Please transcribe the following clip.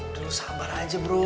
udah lu sabar aja bro